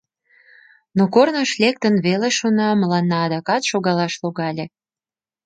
Но корныш лектын веле шуна, мыланна адакат шогалаш логале.